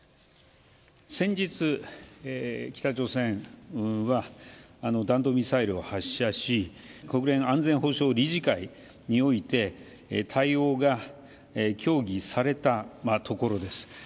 先日、北朝鮮は弾道ミサイルを発射し、国連安全保障理事会において、対応が協議されたところです。